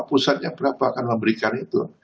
pusatnya berapa akan memberikan itu